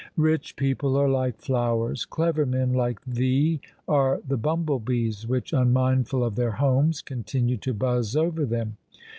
Rich people are like flowers, clever men like thee are the bumble bees which, unmindful of their homes, continue to buzz over them.